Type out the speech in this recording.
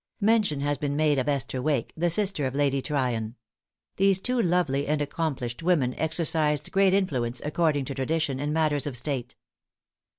|Mention has been made of Esther Wake, the sister of Lady Tryon. These two lovely and accomplished women exercised great influence, according to tradition, in matters of state.